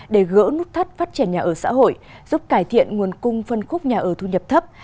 để gỡ nút thắt phát triển nhà ở xã hội giúp cải thiện nguồn cung phân khúc nhà ở thu nhập thấp